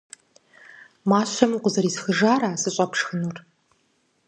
- Мащэм укъызэрисхыжара сыщӏэпшхынур?